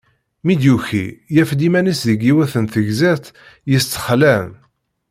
Mi d-yuki, yaf-d iman-is deg yiwet n tegzirt yestexlan.